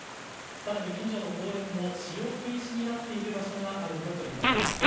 更に近所の公園も使用禁止になっているところがあるんだといいます。